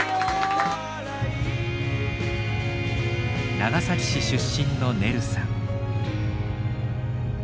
長崎市出身のねるさん。